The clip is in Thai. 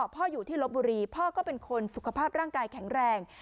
พ่ออยู่ที่ลบบุรีพ่อก็เป็นคนสุขภาพร่างกายแข็งแรง